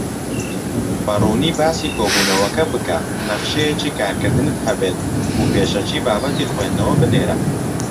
بەڕوونی باسی کۆبوونەوەکە بکە، نەخشەیەکی کارکردنت هەبێت، و پێشەکی بابەتی خویندنەوە بنێرە.